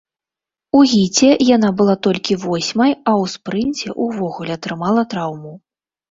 У гіце яна была толькі восьмай, а ў спрынце ўвогуле атрымала траўму.